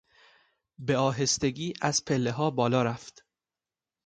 به آهستگی از پله ها بالا رفت.